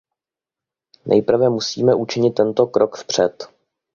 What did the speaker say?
Nejprve musíme učinit tento krok vpřed.